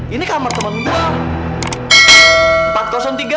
ini kamar teman gue